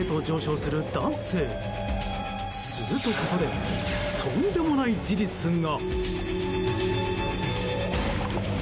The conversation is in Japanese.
すると、ここでとんでもない事実が。